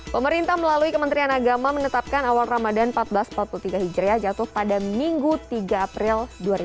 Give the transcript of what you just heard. pemerintah melalui kementerian agama menetapkan awal ramadan seribu empat ratus empat puluh tiga hijriah jatuh pada minggu tiga april dua ribu dua puluh